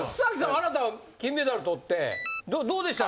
あなた金メダルとってどうでした？